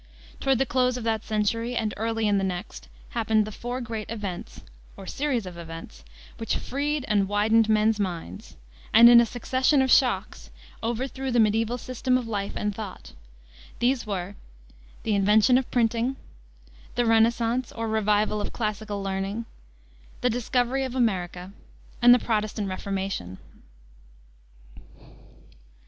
Toward the close of that century, and early in the next, happened the four great events, or series of events, which freed and widened men's minds, and, in a succession of shocks, overthrew the mediaeval system of life and thought. These were the invention of printing, the Renascence, or revival of classical learning, the discovery of America, and the Protestant Reformation.